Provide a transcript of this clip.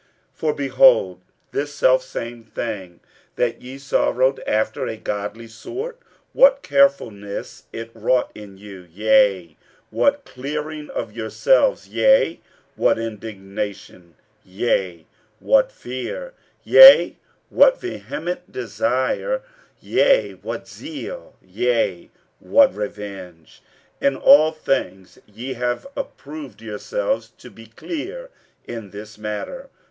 47:007:011 For behold this selfsame thing, that ye sorrowed after a godly sort, what carefulness it wrought in you, yea, what clearing of yourselves, yea, what indignation, yea, what fear, yea, what vehement desire, yea, what zeal, yea, what revenge! In all things ye have approved yourselves to be clear in this matter.